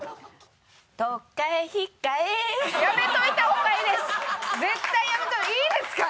絶対やめといた方がいいですか？